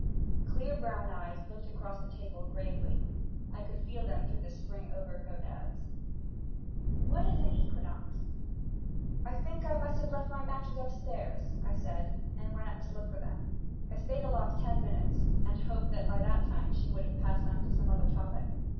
Clear brown eyes looked across the table gravely. I could feel them through the spring overcoat ads. "What is an equinox?" "I think I must have left my matches upstairs," I said, and went up to look for them. I stayed aloft ten minutes and hoped that by that time she would have passed on to some other topic.